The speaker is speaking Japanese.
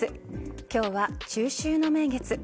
今日は中秋の名月。